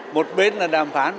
một bên là đàm phán